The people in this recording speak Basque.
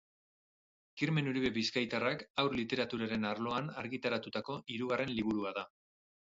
Kirmen Uribe bizkaitarrak haur literaturaren arloan argitaratutako hirugarren liburua da.